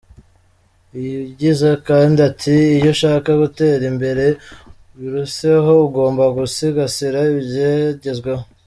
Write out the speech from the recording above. Yagize kandi ati,"Iyo ushaka gutera imbere biruseho ugomba gusigasira ibyagezweho.